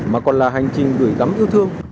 mà còn là hành trình gửi gắm yêu thương